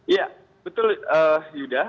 iya betul yuda